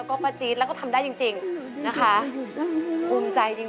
โอ้โฮสังสารหนู